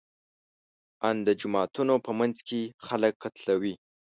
ان د جوماتونو په منځ کې خلک قتلوي.